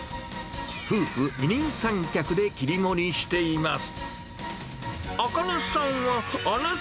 夫婦二人三脚で切り盛りしています。